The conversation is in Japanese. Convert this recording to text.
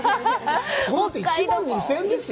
これで１万２０００円ですよ。